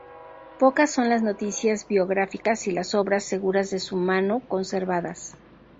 Pocas son las noticias biográficas y las obras seguras de su mano conservadas.